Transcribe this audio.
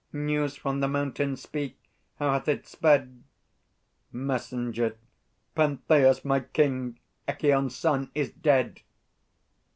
News from the mountain? Speak! How hath it sped? MESSENGER. Pentheus, my king, Echîon's son, is dead!